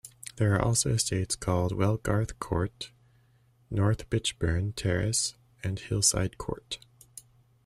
There are also estates called Wellgarth Court, North Bitchburn Terrace and Hillside Court.